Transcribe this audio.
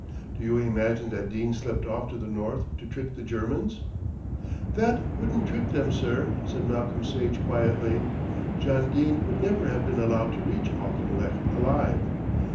"Do you imagine that Dene slipped off to the north to trick the Germans?" "That wouldn't trick them, sir," said Malcolm Sage quietly. "John Dene would never have been allowed to reach Auchinlech alive.